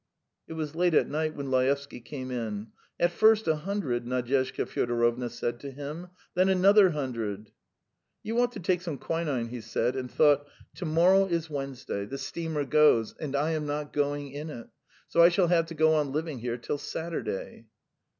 ..." It was late at night when Laevsky came in. "At first a hundred ..." Nadyezhda Fyodorovna said to him, "then another hundred ..." "You ought to take some quinine," he said, and thought, "To morrow is Wednesday; the steamer goes and I am not going in it. So I shall have to go on living here till Saturday."